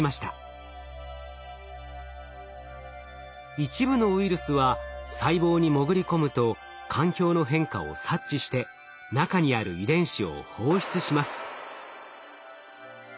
一部のウイルスは細胞に潜り込むと環境の変化を察知して中にある遺伝子を放出します。